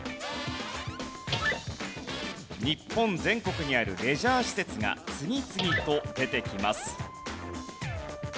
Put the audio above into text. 日本全国にあるレジャー施設が次々と出てきます。